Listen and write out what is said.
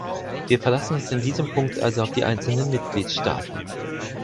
Wir verlassen uns in diesem Punkt also auf die einzelnen Mitgliedstaaten.